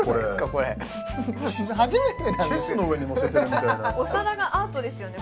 これ初めてなんですけどチェスの上にのせてるみたいなお皿がアートですよね